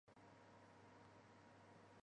但是各部的运动会仍是在各部进行。